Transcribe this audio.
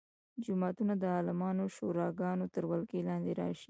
جوماتونه د عالمانو شوراګانو تر ولکې لاندې راشي.